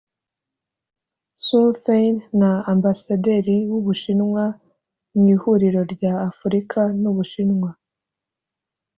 Xu Fein na Ambasaderi w’u Bushinwa mu Ihuriro rya Afurika n’u Bushinwa